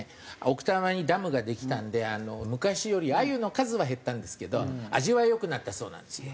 奥多摩にダムができたんで昔よりアユの数は減ったんですけど味は良くなったそうなんですよ